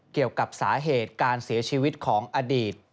เกี่ยวกับสาเหตุการเสียชีวิตของอดีต